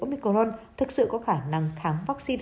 omicron thực sự có khả năng kháng vaccine